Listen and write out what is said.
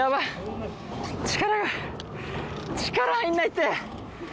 力入んないって。